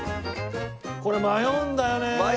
これ迷うんだよねえ。